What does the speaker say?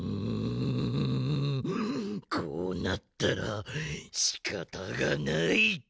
んんこうなったらしかたがない！